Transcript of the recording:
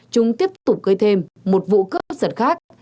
chúng tiếp tục gây thêm một vụ cướp giật khác